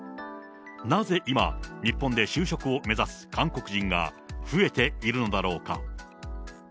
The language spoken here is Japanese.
なぜ今、日本で就職を目指す韓国人が増えているのだろうか。